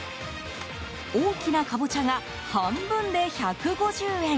大きなカボチャが半分で１５０円。